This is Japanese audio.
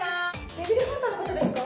デビルハンターの方ですか？